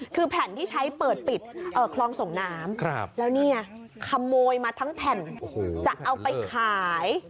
คือแผ่นที่ใช้เปิดปิดคลองส่งน้ำแล้วนี่ไงขโมยมาทั้งแผ่นจะเอาไปขาย